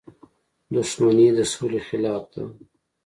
• دښمني د سولې خلاف ده.